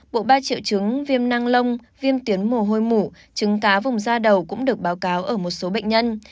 bộ ba triệu chứng viêm năng lông viêm tuyến mồ hôi mổ trứng cá vùng da đầu cũng được báo cáo ở một số bệnh nhân